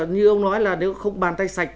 như ông nói là nếu không bàn tay sạch